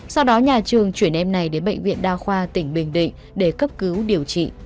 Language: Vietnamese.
sau đó nhà trường chuyển em này đến bệnh viện đa khoa tỉnh bình định để cấp cứu điều trị